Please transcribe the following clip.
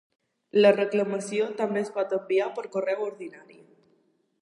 La reclamació també es pot enviar per correu ordinari.